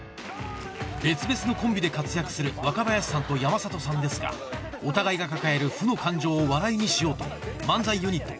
別々のコンビで活躍する若林さんと山里さんですがお互いが抱える負の感情を笑いにしようと漫才ユニット